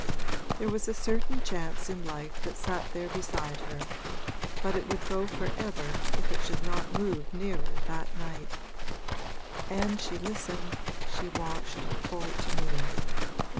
There was a certain chance in life that sat there beside her, but it would go for ever if it should not move nearer that night; and she listened, she watched, for it to move.